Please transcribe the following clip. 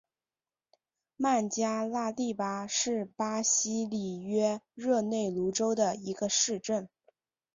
曼加拉蒂巴是巴西里约热内卢州的一个市镇。